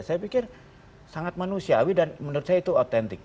saya pikir sangat manusiawi dan menurut saya itu otentik